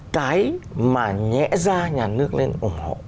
cái mà nhẽ ra nhà nước nên ủng hộ